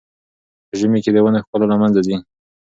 په ژمي کې د ونو ښکلا له منځه ځي.